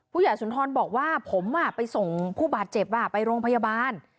สุนทรบอกว่าผมไปส่งผู้บาดเจ็บไปโรงพยาบาล